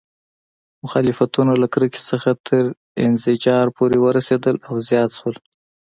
مخالفتونه له کرکې څخه تر انزجار پورې ورسېدل او زیات شول.